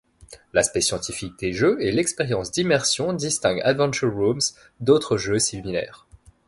L'aspect scientifique des jeux et l'expérience d'immersion distingue AdventureRooms d'autre jeux similaires.